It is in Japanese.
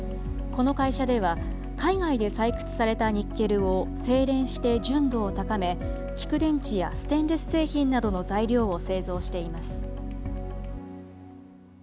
この会社では、海外で採掘されたニッケルを精錬して純度を高め、蓄電池やステンレス製品などの材料を製造しています。